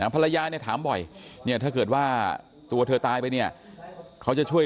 ภรรยาเนี่ยถามบ่อยเนี่ยถ้าเกิดว่าตัวเธอตายไปเนี่ยเขาจะช่วย